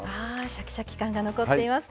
シャキシャキ感が残っています。